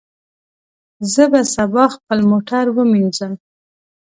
زه به سبا خپل موټر ومینځم.